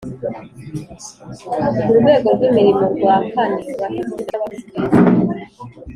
urwego rw imirimo rwa kane bafite itsinda ry abakozi beza